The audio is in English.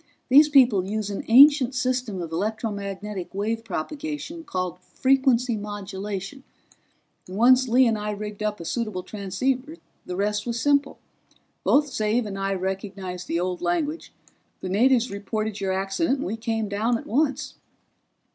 "These people use an ancient system of electromagnetic wave propagation called frequency modulation, and once Lee and I rigged up a suitable transceiver the rest was simple. Both Xav and I recognized the old language; the natives reported your accident, and we came down at once."